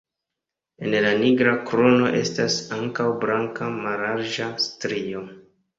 En la nigra krono estas ankaŭ blanka mallarĝa strio.